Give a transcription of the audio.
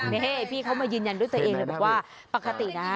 นี่พี่เขามายืนยันด้วยตัวเองเลยบอกว่าปกตินะ